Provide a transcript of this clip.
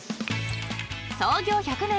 ［創業１００年！